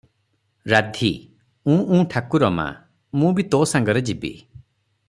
ରାଧୀ - ଉଁ ଉଁ ଠାକୁରମା, ମୁଁ ବି ତୋ ସାଙ୍ଗରେ ଯିବି ।